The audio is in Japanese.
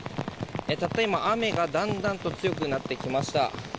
たった今、雨がだんだんと強くなってきました。